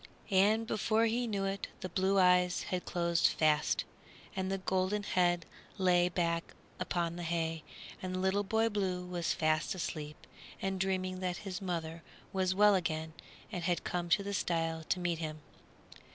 And before he knew it the blue eyes had closed fast, and the golden head lay back upon the hay, and Little Boy Blue was fast asleep and dreaming that his mother was well again and had come to the stile to meet him.